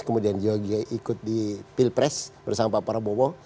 kemudian juga dia ikut di pilpres bersama pak prabowo